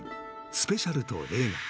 スペシャルと映画